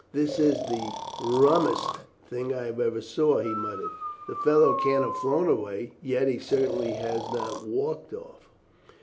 "This is the rummest thing I ever saw," he muttered; "the fellow can't have flown away; yet, he certainly has not walked off."